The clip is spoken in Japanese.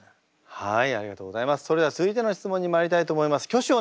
はい。